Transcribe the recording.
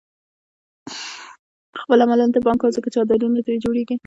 خپلو عملونو ته پام کوه ځکه چې عادتونه ترې جوړېږي.